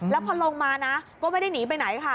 แล้วพอลงมานะก็ไม่ได้หนีไปไหนค่ะ